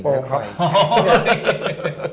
อ๋อยังไง